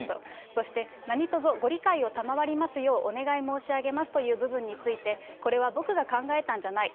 そして、なにとぞご理解を賜りますようお願い申し上げますという部分について、これは僕が考えたんじゃない。